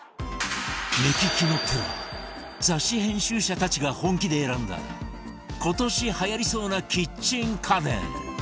目利きのプロ雑誌編集者たちが本気で選んだ今年はやりそうなキッチン家電